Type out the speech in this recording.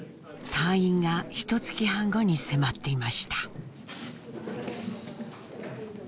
退院がひとつき半後に迫っていました。